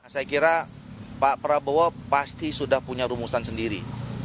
saya kira pak prabowo pasti sudah punya rumusan sendiri